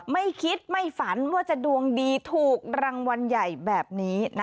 ไม่คิดไม่ฝันว่าจะดวงดีถูกรางวัลใหญ่แบบนี้